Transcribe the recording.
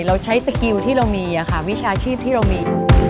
เราใช้สกิลที่เรามีวิชาชีพที่เรามี